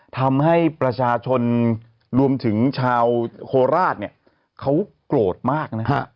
ทำให้ประชาชนรวมถึงชาวโคราชเนี่ยเขาโกรธมากนะฮะ